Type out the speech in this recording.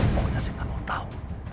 pokoknya saya gak mau tau